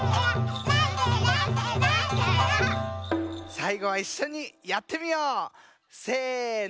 さいごはいっしょにやってみよう！せの！